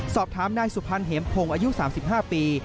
สอบถามนายสุพรรณเหมพงศ์อายุ๓๕ปี